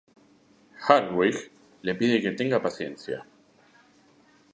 Hartwig, le pide que tenga paciencia.